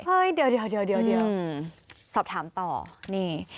เฮ้ยเดี๋ยวสอบถามต่อนี่